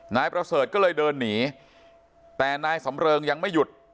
นายประเสริฐก็เลยเดินหนีแต่นายสำเริงยังไม่หยุด